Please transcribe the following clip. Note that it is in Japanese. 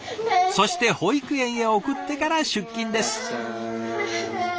そして保育園へ送ってから出勤です。